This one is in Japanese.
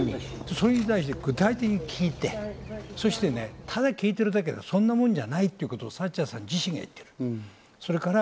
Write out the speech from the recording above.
それに対して、具体的に聞いて、ただ聞いてるだけ、そんなもんじゃないとサッチャーさん自身が言っている。